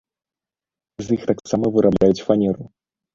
З іх таксама вырабляюць фанеру.